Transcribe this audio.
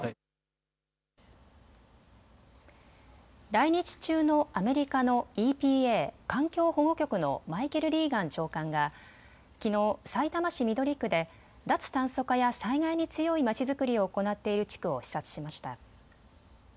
来日中のアメリカのＥＰＡ・環境保護局のマイケル・リーガン長官がきのう、さいたま市緑区で脱炭素化や災害に強いまちづくりを行っている地区を視察しました。